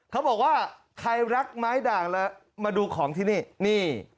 เขาบอกว่าใครรักไม้ด่างแล้วมาดูของที่นี่นี่